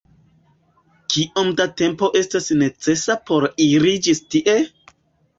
Kiom da tempo estas necesa por iri ĝis tie?